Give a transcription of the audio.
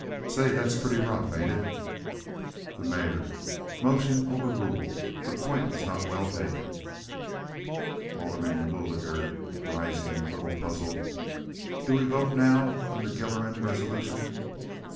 "Say, that's pretty rough, ain't it?" The Mayor. "Motion overruled. The point is not well taken." Alderman Guigler (rising a little puzzled). "Do we vote now on the Gilleran resolution?"